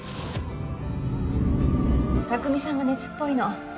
拓未さんが熱っぽいの。